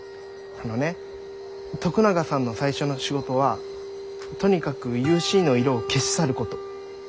あのね徳永さんの最初の仕事はとにかくユーシーの色を消し去ること。